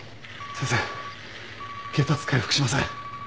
先生血圧回復しません。